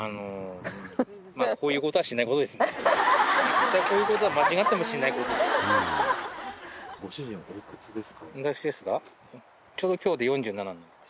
絶対こういうことは間違ってもしないことです。